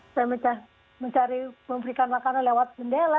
saya mencari memberikan makanan lewat bendela